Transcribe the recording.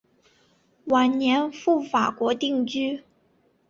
晚年赴法国定居。